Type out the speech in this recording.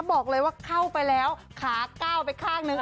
บอกเลยว่าเข้าไปแล้วขาก้าวไปข้างนึง